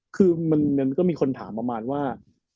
คือมันก็มีคนถามประมาณว่า